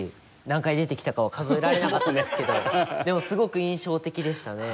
何回出てきたかは数えられなかったですけどでもすごく印象的でしたね。